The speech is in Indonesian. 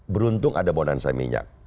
beruntung ada bonansa minyak